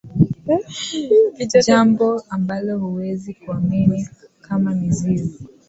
Jambo ambalo huwezi kuamini kama mizizi